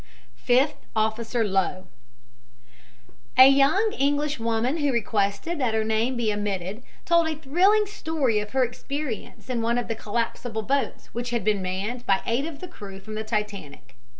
FIFTH OFFICER LOWE A young English woman who requested that her name be omitted told a thrilling story of her experience in one of the collapsible boats which had been manned by eight of the crew from the Titanic.